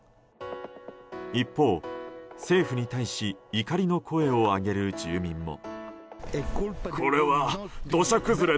一方、政府に対し怒りの声を上げる住民も。